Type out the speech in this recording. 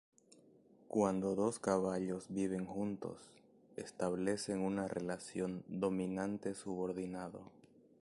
Cuando dos caballos viven juntos, establecen una relación dominante-subordinado.